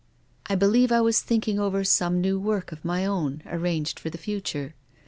I believe I was thinking over some new work of my own, arranged for the future.